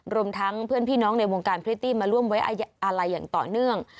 รวมทั้งเพื่อนพี่น้องในวงการพริตตี้มาร่วมไว้อาลัยอย่างต่อเนื่อง